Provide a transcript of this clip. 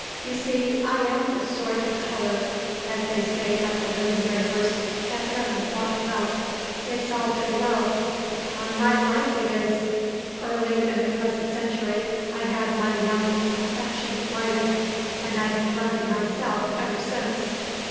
You see, I am the sort of color, as they say at the linen drapers, that doesn't wash well. It's all through love; upon my life it is! Early in the present century I had my young affections blighted; and I've neglected myself ever since.